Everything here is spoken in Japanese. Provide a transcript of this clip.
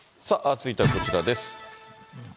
続いてはこちらです。